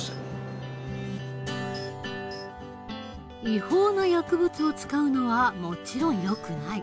違法な薬物を使うのはもちろんよくない。